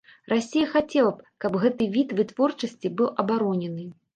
Расія хацела б, каб гэты від вытворчасці быў абаронены.